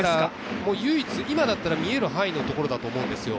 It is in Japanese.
唯一、今だったら見える範囲のところだと思うんですよ。